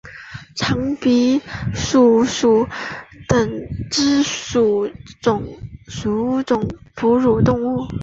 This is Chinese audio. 长鼻松鼠属等之数种哺乳动物。